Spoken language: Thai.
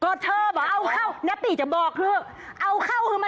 ก็เธอเอาเข้าแน๊ะพี่จะบอกลูก